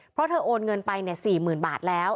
เพราะเธอโอนเงินไป๔๐๐๐บาทแล้ว